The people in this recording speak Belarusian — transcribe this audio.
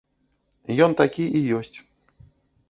Ён такі і ёсць.